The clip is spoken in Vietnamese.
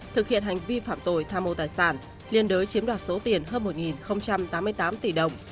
thực hiện hành vi phạm tội tham mô tài sản liên đối chiếm đoạt số tiền hơn một tám mươi tám tỷ đồng